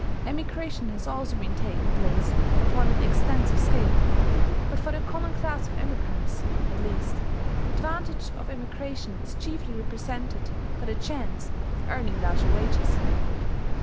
Emigration also has been taking place upon an extensive scale; but for the common class of emigrants, at least, the advantage of emigration is chiefly represented by the chance of earning larger wages.